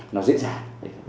nó dễ dàng